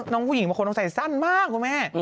น้องผู้หญิงบางคนต้องใส่สั้นมากคุณแม่